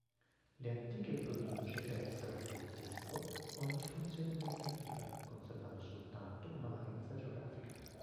Le antiche province persero, col tempo, ogni funzione amministrativa, conservando soltanto una valenza geografica.